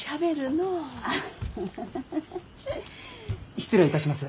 失礼いたします。